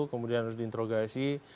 kemudian harus diinterogasi